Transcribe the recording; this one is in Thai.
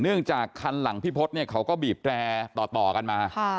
เนื่องจากคันหลังพี่พศเนี่ยเขาก็บีบแตรต่อกันมา